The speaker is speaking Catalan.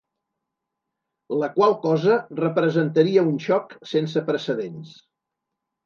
La qual cosa representaria un xoc sense precedents.